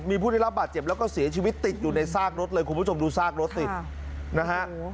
มีผู้ได้รับบาดเจ็บแล้วก็เสียชีวิตติดอยู่ในซากรถเลยคุณผู้ชมดูซากรถสินะฮะ